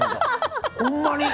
ほんまに。